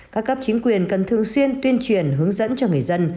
các cấp chính quyền cần thường xuyên tuyên truyền hướng dẫn cho người dân